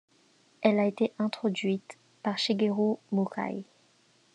Elle a été introduite par Shigeru Mukai.